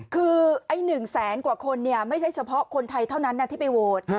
คือไอ้๑แสนกว่าคนไม่ใช่เฉพาะคนไทยเท่านั้นนะที่ไปโหวต